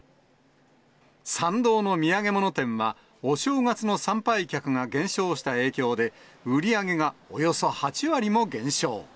参道の土産物店は、お正月の参拝客が減少した影響で、売り上げがおよそ８割も減少。